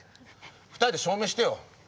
２人で証明してよ。